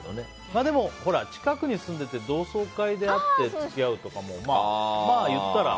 でも、近くに住んでて同窓会で会って付き合うとかも。